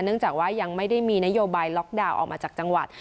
จากว่ายังไม่ได้มีนโยบายล็อกดาวน์ออกมาจากจังหวัด